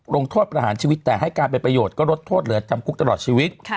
ลงโทษประหารชีวิตแต่ให้การเป็นประโยชน์ก็ลดโทษเหลือจำคุกตลอดชีวิต